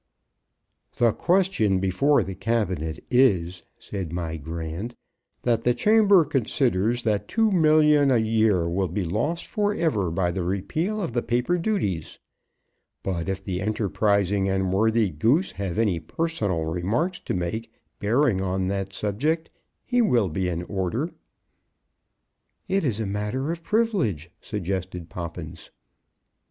"The question before the cabinet is," said My Grand, "that the chamber considers that two millions a year will be lost for ever by the repeal of the paper duties; but if the enterprising and worthy Goose have any personal remarks to make bearing on that subject, he will be in order." "It is a matter of privilege," suggested Poppins.